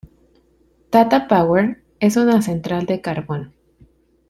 Tata Power: Es una central de carbón.